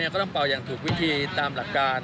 ก็ต้องเป่าอย่างถูกวิธีตามหลักการ